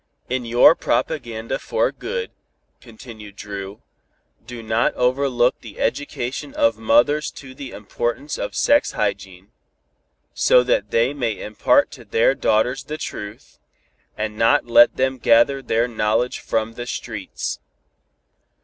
"In your propaganda for good," continued Dru, "do not overlook the education of mothers to the importance of sex hygiene, so that they may impart to their daughters the truth, and not let them gather their knowledge from the streets.